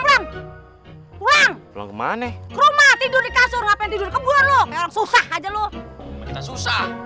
pulang pulang pulang ke mana rumah tidur di kasur apa yang tidur kebun lu susah aja lu susah